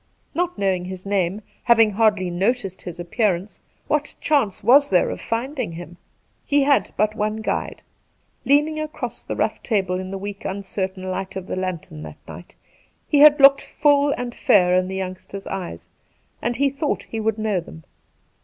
Not knowing his name, having hardly noticed his appearance, what chance was there of finding him ? He had but one guide, Leaning across the rough table in the weak uncertain light of the lantern that night, he had looked full and fair iit the youngster's eyes, and he thought he would know them.